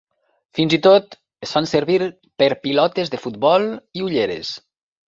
Fins i tot es fan servir per pilotes de futbol i ulleres.